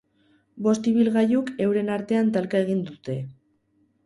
Bost ibilgailuk euren artean talka egin dute.